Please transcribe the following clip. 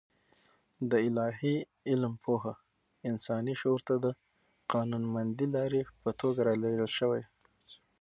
د الاهي علم پوهه انساني شعور ته د قانونمندې لارې په توګه رالېږل شوې.